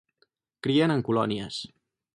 Crien en colònies.